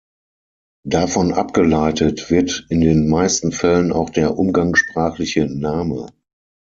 Davon abgeleitet wird in den meisten Fällen auch der umgangssprachliche Name.